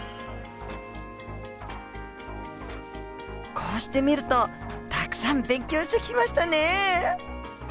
こうして見るとたくさん勉強してきましたね。